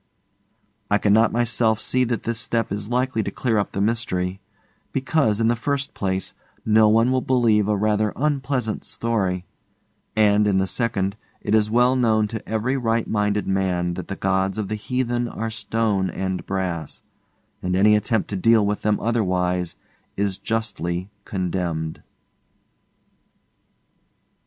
I cannot myself see that this step is likely to clear up the mystery; because, in the first place, no one will believe a rather unpleasant story, and, in the second, it is well known to every right minded man that the gods of the heathen are stone and brass, and any attempt to deal with them otherwise is justly condemned.